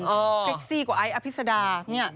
เซ็กซี่กว่าไอ้อภิษดา